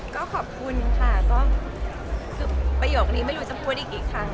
ก็ขอบคุณค่ะก็คือประโยคนี้ไม่รู้จะพูดอีกกี่ครั้ง